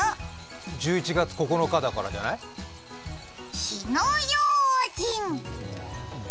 １１月９日だからじゃない？火の用心！